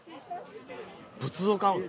仏像買うの？